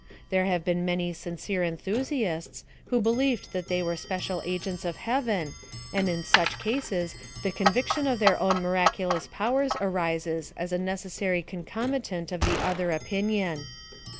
There have been many sincere enthusiasts, who believed that they were special agents of heaven, and in such cases the conviction of their own miraculous pow ers arises as a necessary concomitant of the other opinion.